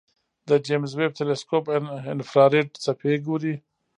د جیمز ویب تلسکوپ انفراریډ څپې ګوري.